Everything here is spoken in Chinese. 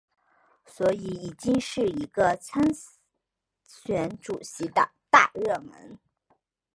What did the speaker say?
所以已经是一个参选主席的大热门。